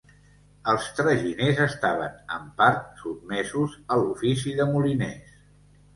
Els traginers estaven, en part, sotmesos a l'ofici de moliners.